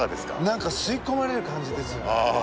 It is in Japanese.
なんか吸い込まれる感じですよ。